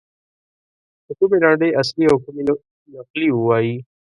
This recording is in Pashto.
چې کومې لنډۍ اصلي او کومې نقلي ووایي.